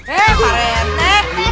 eh pak rete